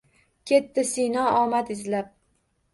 Ketdi Sino omad izlab